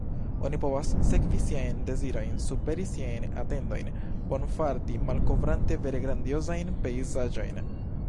Oni povas sekvi siajn dezirojn, superi siajn atendojn, bonfarti, malkovrante vere grandiozajn pejzaĝojn!